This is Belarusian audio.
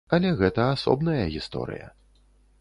Але гэта асобная гісторыя.